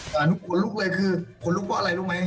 คนลุคก็กลัวอะไรรู้ไหม